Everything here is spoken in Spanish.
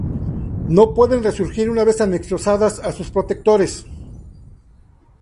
No pueden resurgir una vez anexionadas a sus protectores.